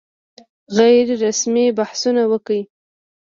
غیر رسمي بحثونه وکړي.